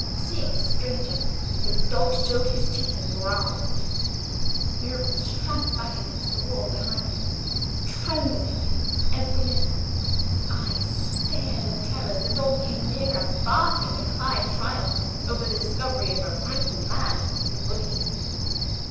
Seeing a stranger, the dog showed his teeth and growled. Mirabel shrank back against the wall behind him, trembling in every limb. His eyes stared in terror as the dog came nearer: barking in high triumph over the discovery of a frightened man whom he could bully.